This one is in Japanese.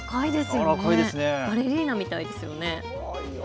バレリーナみたいですよね。